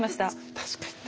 確かにな。